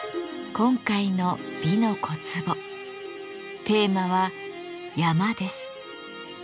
今回の「美の小壺」テーマは「山」です。